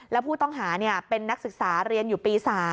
แล้วผู้ต้องหาเป็นนักศึกษาเรียนอยู่ปี๓